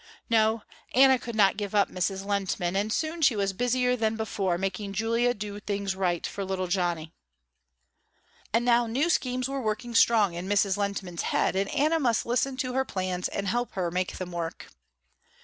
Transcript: No, Anna could not give up Mrs. Lehntman, and soon she was busier than before making Julia do things right for little Johnny. And now new schemes were working strong in Mrs. Lehntman's head, and Anna must listen to her plans and help her make them work.